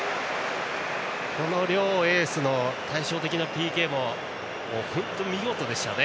この両エースの対照的なＰＫも本当に見事でしたね。